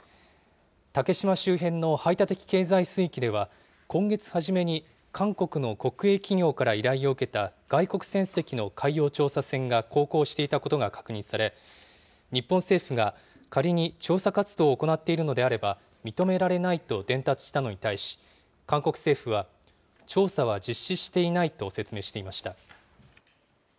竹島周辺の排他的経済水域では、今月初めに、韓国の国営企業から依頼を受けた外国船籍の海洋調査船が航行していたことが確認され、日本政府が仮に調査活動を行っているのであれば、認められないと伝達したのに対し、韓国政府は、調査は実施していないと説明していました。